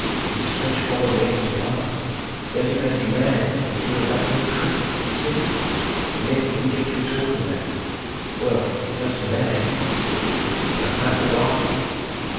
Mrs. French followed me out to the barn. "Don't it make you mad to hear of that pleasure trip?" she said. The men couldn't get through talking about it. "Well, it makes me mad," I said, "but I can't help laughing."